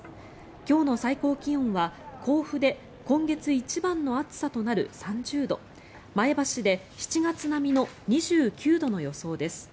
今日の最高気温は、甲府で今月一番の暑さとなる３０度前橋で７月並みの２９度の予想です。